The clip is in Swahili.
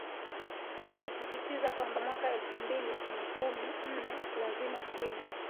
amesisitiza kwamba mwaka elfu mbili na kumi nne lazima timu